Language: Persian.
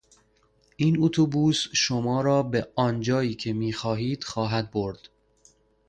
این اتوبوس شما را به آنجایی که میخواهید خواهد برد.